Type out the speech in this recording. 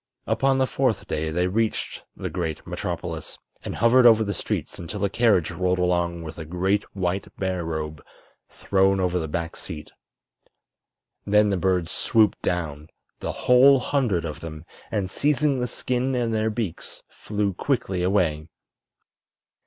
Upon the fourth day they reached the great metropolis, and hovered over the streets until a carriage rolled along with a great white bear robe thrown over the back seat. Then the birds swooped down—the whole hundred of them—and seizing the skin in their beaks flew quickly away.